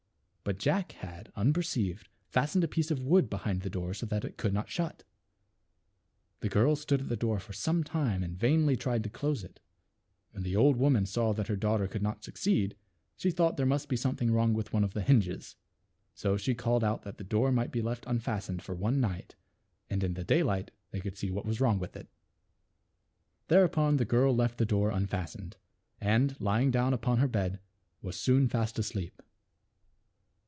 But Jack had, unperceived, fastened a piece of wood behind the door so that it could not shut. The girl stood at the door for some time and vainly tried to close it. When the old woman saw that her daughter could not succeed she thought there must be something wrong about one of the hinges ; so she called out that the door might be left unfastened for one night, and in the daylight they could see what was wrong with it. Thereupon the girl left the door un fastened, and lying down upon her bed was soon fast asleep.